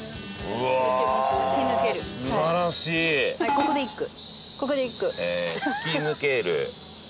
ここで一句。